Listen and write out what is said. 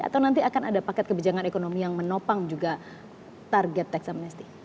atau nanti akan ada paket kebijakan ekonomi yang menopang juga target tax amnesty